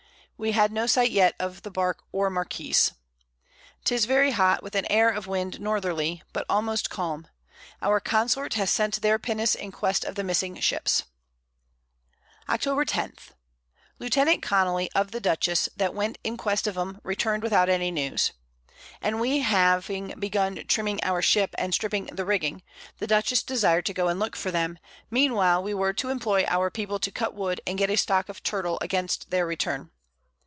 We had no sight yet of the Bark or Marquiss. 'Tis very hot, with an Air of Wind Northerly, but almost calm. Our Consort has sent their Pinnace in quest of the missing Ships. Octob. 10. Lieut. Connely of the Dutchess, that went in quest of 'em return'd without any News. And we having begun trimming our Ship, and stripping the Rigging; the Dutchess desired to go and look for them, mean while we were to employ our People to cut Wood and get a Stock of Turtle against their Return.